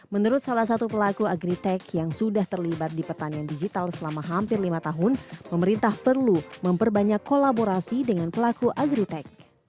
menurut salah satu pelaku agritech yang sudah terlibat di pertanian digital selama hampir lima tahun pemerintah perlu memperbanyak kolaborasi dengan pelaku agritech